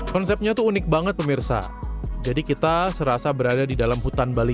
konsepnya tuh unik banget pemirsa jadi kita serasa berada di dalam hutan bali